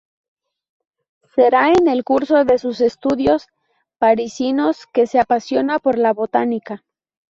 Será en el curso de sus estudios parisinos que se apasiona por la Botánica.